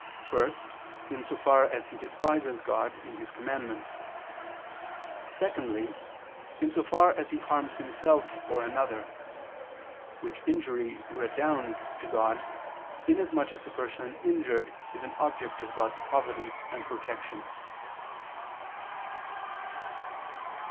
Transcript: First, in so far as he despises God in His commandments. Secondly, in so far as he harms himself or another; which injury redounds to God, inasmuch as the person injured is an object of God's providence and protection.